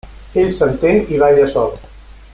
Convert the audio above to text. Ell s'entén i balla sol.